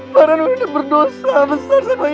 farhan minta perdosa besar sama ibu